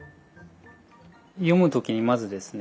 読む時にまずですね